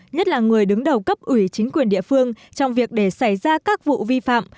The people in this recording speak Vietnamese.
nhất là người đứng đầu cấp ủy chính quyền địa phương trong việc để xảy ra các vụ vi phạm